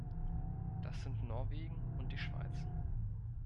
Das sind Norwegen und die Schweiz.